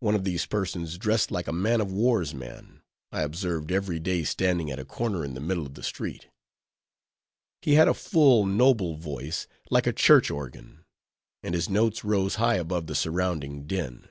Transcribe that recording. One of these persons, dressed like a man of war's man, I observed every day standing at a corner in the middle of the street. He had a full, noble voice, like a church organ; and his notes rose high above the surrounding din.